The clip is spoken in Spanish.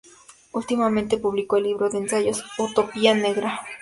Últimamente publicó el libro de ensayos "Utopía negra.